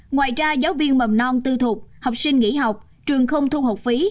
ngoài ra giáo viên mầm non tư thuộc học sinh nghỉ học trường không thu học phí